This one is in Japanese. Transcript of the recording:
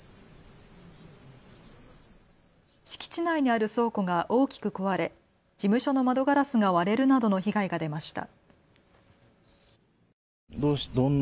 敷地内にある倉庫が大きく壊れ事務所の窓ガラスが割れるなどの被害が出ました。